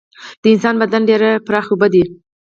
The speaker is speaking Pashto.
د انسان بدن ډیره برخه اوبه دي